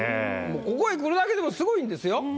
ここへ来るだけでもすごいんですよ。